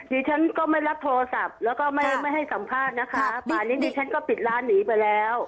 ดิฉันก็ไม่รับโทรศัพท์แล้วก็ไม่ไม่ให้สัมภาษณ์นะคะป่านนี้ดิฉันก็ปิดร้านหนีไปแล้ว